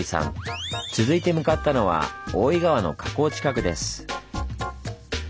続いて向かったのは大井川の河口近くです。